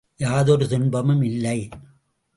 யாதொரு துன்பமும் இல்லை!